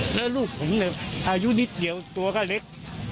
แล้วลูกผมอายุนิดเดียวตัวก็เล็ก